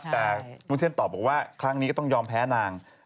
แต่วุ้นเส้นตอบบอกว่าครั้งนี้ก็ต้องยอมแพ้นาง